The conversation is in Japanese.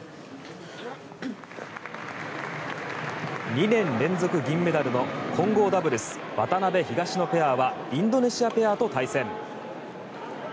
２年連続銀メダルの混合ダブルス渡辺、東野ペアはインドネシアペアと対戦。